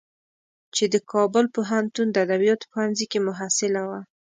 چې د کابل پوهنتون د ادبیاتو پوهنځی کې محصله وه.